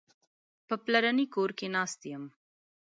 په پلرني کور کې ناست یم.